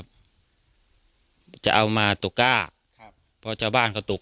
ประมาณตอนเวลาไหนครับ